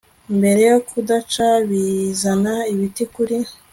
Mbere yo kudaca bizana ibiti kuri